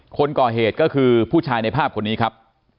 คนก่อเหตุก็คือผู้ชายในภาพคนนี้ครับ